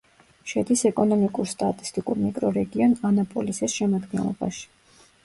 შედის ეკონომიკურ-სტატისტიკურ მიკრორეგიონ ანაპოლისის შემადგენლობაში.